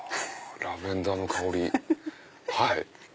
ラベンダーの香りはい。